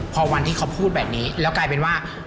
พอวันที่เขาพูดแบบนี้แล้วกลายเป็นว่า